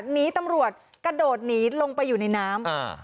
หนีตำรวจกระโดดหนีลงไปอยู่ในน้ำ